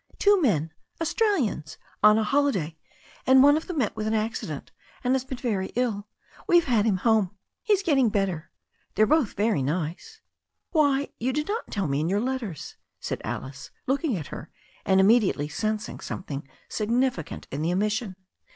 "Two men — ^Australians — on a holiday, and one of them met with an accident, and has been very ill. We've had him home. He's getting better. They're both very nice." "Why, you did not tell me in your letters," said Alice, looking at her, and immediately sensing something signifi cant in the omission.